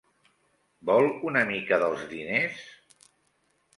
Vol una mica dels diners?